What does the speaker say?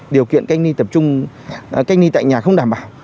điều kiện cách ly tại nhà không đảm bảo